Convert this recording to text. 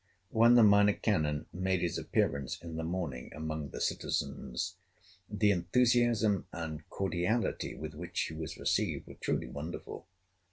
When the Minor Canon made his appearance in the morning among the citizens, the enthusiasm and cordiality with which he was received were truly wonderful.